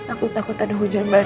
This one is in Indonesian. aku takut ada hujan mbak